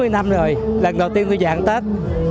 bốn mươi năm rồi lần đầu tiên tôi giảng tác